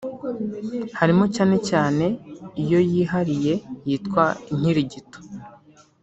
harimo cyane cyane iyo yihariye yitwa Inkirigito